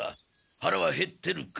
はらはへってるか？